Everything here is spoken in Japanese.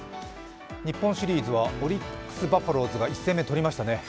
日本シリーズはオリックス・バファローズが１戦目をとりましたね。